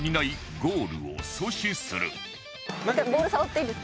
ボール触っていいですか？